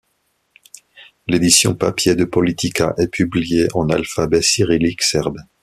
L'édition papier de Politika est publiée en alphabet cyrillique serbe.